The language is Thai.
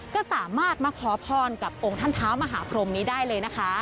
ก็สามารถมาขอพรกับองค์ท่านเท้ามหาพรมนี้ได้เลยนะคะ